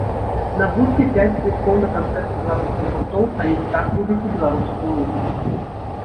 Набудзьце пяць квіткоў на канцэрты беларускіх гуртоў, калі вы так любіце беларускую музыку.